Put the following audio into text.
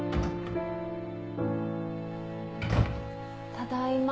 ただいま。